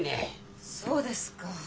そうですか。